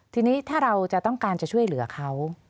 ทีนี้ถ้าเราจะต้องการจะช่วยเหลือเขา